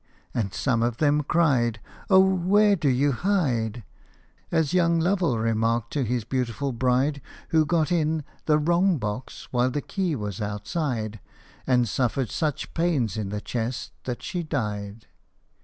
And some of them cried, " Oh, where do you hide ?" As young Lovell remarked to his beautiful bride, Who got in " the wrong box," while the key was outside, And suffered such pains in the chest that she died.